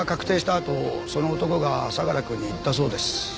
あとその男が相良くんに言ったそうです。